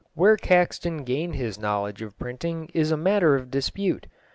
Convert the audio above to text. Where Caxton gained his knowledge of printing is a matter of dispute.